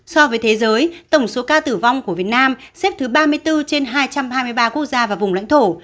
so với thế giới tổng số ca tử vong của việt nam xếp thứ ba mươi bốn trên hai trăm hai mươi ba quốc gia và vùng lãnh thổ